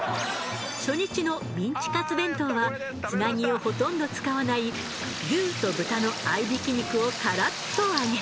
初日のミンチカツ弁当はつなぎをほとんど使わない牛と豚の合びき肉をカラッと揚げ。